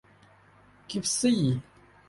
กิ๊บซี่